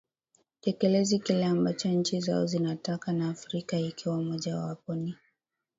tekelezi kile ambacho nchi nyingi zinataka na afrika ikiwa moja wapo ni